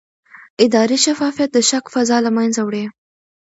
اداري شفافیت د شک فضا له منځه وړي